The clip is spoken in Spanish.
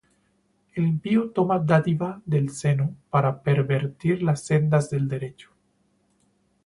El impío toma dádiva del seno Para pervertir las sendas del derecho.